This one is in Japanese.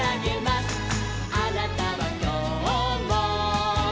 「あなたはきょうも」